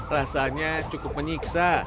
rasanya cukup menyiksa